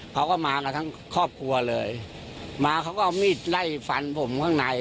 เขาก็มากันทั้งครอบครัวเลยมาเขาก็เอามีดไล่ฟันผมข้างใน